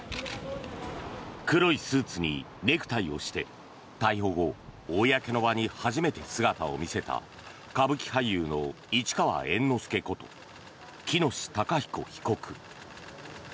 黒いスーツにネクタイをして逮捕後、公の場に初めて姿を見せた歌舞伎俳優の市川猿之助こと喜熨斗孝彦被告。